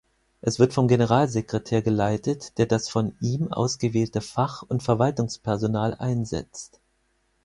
Es wird vom Generalsekretär geleitet, der das von ihm ausgewählte Fach- und Verwaltungspersonal einsetzt.